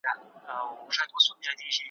زماد قام یې دی لیکلی د مېچن پر پله نصیب دی `